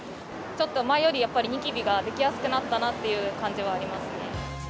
ちょっと前よりやっぱりニキビが出来やすくなったなっていう感じはありますね。